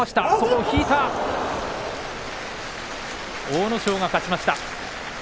阿武咲が勝ちました。